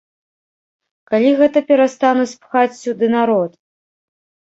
Калі гэта перастануць пхаць сюды народ?!